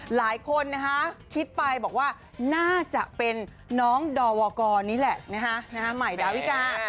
หลายคนนะคะคิดไปบอกว่าน่าจะเป็นน้องดอวกรนี่แหละใหม่ดาวิกา